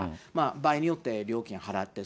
場合によっては料金払って。